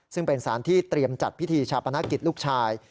ซึ่งเป็นสารที่เตรียมจัดพิธีชาปนกิจลูกชาย